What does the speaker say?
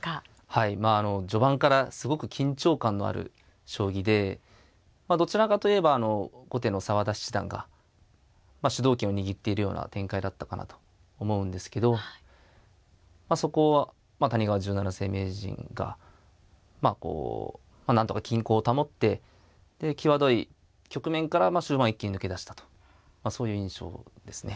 はいまあ序盤からすごく緊張感のある将棋でどちらかといえば後手の澤田七段が主導権を握ってるような展開だったかなと思うんですけどまあそこは谷川十七世名人がなんとか均衡を保って際どい局面から終盤一気に抜け出したとそういう印象ですね。